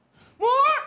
うわ！